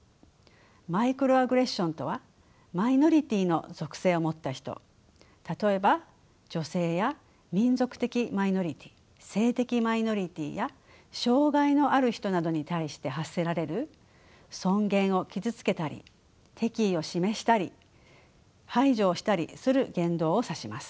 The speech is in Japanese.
マイクロアグレッションとはマイノリティーの属性を持った人例えば女性や民族的マイノリティー性的マイノリティーや障害のある人などに対して発せられる尊厳を傷つけたり敵意を示したり排除をしたりする言動を指します。